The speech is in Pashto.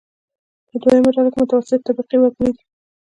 په دویمه ډله کې متوسطې طبقې وګړي دي.